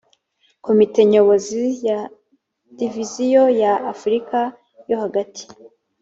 komite nyobozi ya diviziyo ya afurika yo hagati